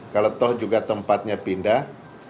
kalau toh juga tempatnya pindah